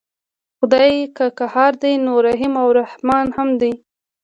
خدای که قهار دی نو رحیم او رحمن هم دی.